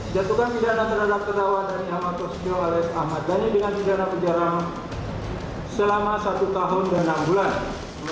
dato'kan pidana terhadap ketawa dhani ahmad prasetyo alias ahmad dhani dengan pidana kejarang selama satu tahun dan enam bulan